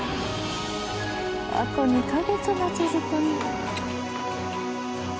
あと２カ月も続くんだ。